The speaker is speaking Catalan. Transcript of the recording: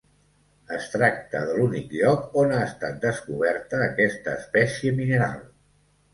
Es tracta de l'únic lloc on ha estat descoberta aquesta espècie mineral.